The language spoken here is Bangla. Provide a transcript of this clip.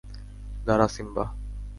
দাড়া, সিম্বা!